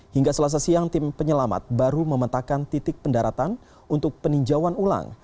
hingga selasa siang tim penyelamat baru memetakan titik pendaratan untuk peninjauan ulang